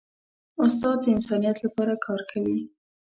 استاد د انسانیت لپاره کار کوي.